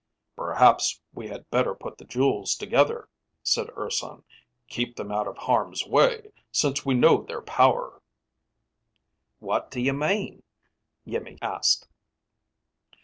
"Perhaps we had better put the jewels together," said Urson. "Keep them out of harm's way, since we know their power." "What do you mean?" Iimmi asked.